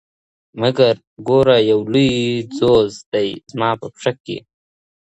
مگر گوره یولوی ځوز دی زما په پښه کی